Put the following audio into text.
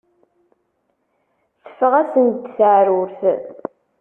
Teffeɣ-asen-d teεrurt.